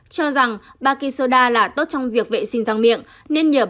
cho rằng baking soda là tốt trong việc vệ sinh răng miệng